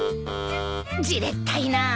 じれったいなあ。